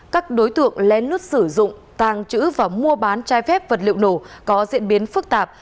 các đối tượng len lút sử dụng tàng trữ và mua bán trái phép vật liệu nổ có diễn biến phức tạp